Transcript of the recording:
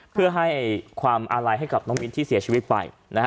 เพื่อให้ความอาลัยให้กับน้องมิ้นที่เสียชีวิตไป